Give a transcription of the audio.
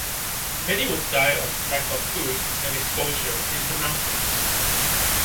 Many would die of lack of food and exposure in the mountains.